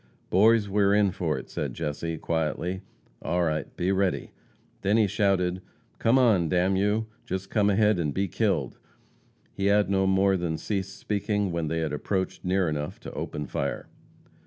"Boys, we are in for it," said Jesse, quietly. "All right, be ready." Then he shouted: "Come on, d n you! Just come ahead and be killed!" He had no more than ceased speaking when they had approached near enough to open fire.